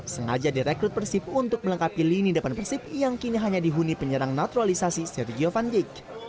sengaja direkrut persib untuk melengkapi lini depan persib yang kini hanya dihuni penyerang naturalisasi sergio van dijk